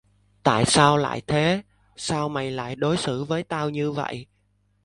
Tại sao lại thế Sao mày lại đối xử với tao như vậy